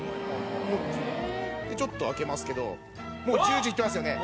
ちょっと開けますけどもうジュージューいってますよね。